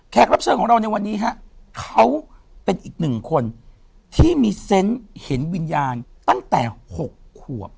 รับเชิญของเราในวันนี้ฮะเขาเป็นอีกหนึ่งคนที่มีเซนต์เห็นวิญญาณตั้งแต่๖ขวบ